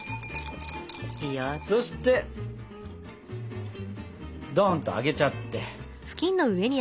そしてドンとあげちゃって。